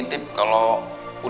but raman kamu melepas n